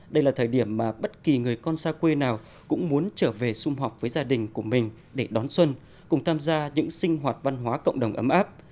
đây là thời điểm mà bất kỳ người con xa quê nào cũng muốn trở về xung họp với gia đình của mình để đón xuân cùng tham gia những sinh hoạt văn hóa cộng đồng ấm áp